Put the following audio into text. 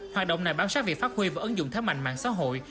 hoạt động này bán sách việc phát huy và ứng dụng tham mạnh mạng xã hội